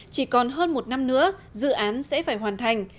chỉ còn hơn một năm nữa dự án sẽ phải hoàn thành